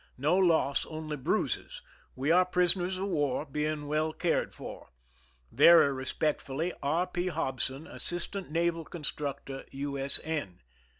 No loss, only bruises. We are pris oners of war, being well cared for. Very respectfully, R. P. HOBSON, Assistant Naval Constructor, U. S. N.